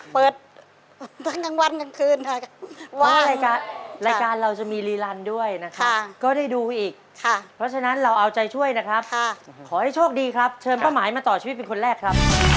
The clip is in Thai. เปิดทั้งกลางวันกลางคืนค่ะ